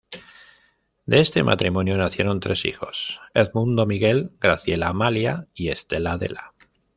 De este matrimonio nacieron tres hijos: Edmundo Miguel, Graciela Amalia y Estela Adela.